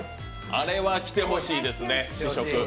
あれは来てほしいですね試食。